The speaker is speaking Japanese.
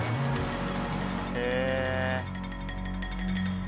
へえ。